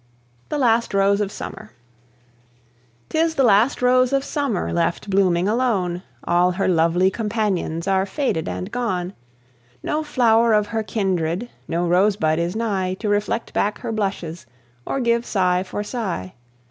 THE LAST ROSE OF SUMMER. 'Tis the last rose of summer Left blooming alone; All her lovely companions Are faded and gone; No flower of her kindred, No rose bud is nigh, To reflect back her blushes, Or give sigh for sigh.